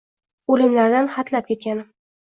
O’limlardan hatlab ketganim…